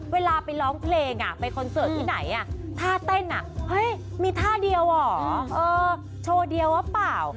เวลาไปร้องเพลงไปคอนเสิร์ตที่ไหนท่าเต้นมีท่าเดียวเหรอโชว์เดียวว่าเปล่า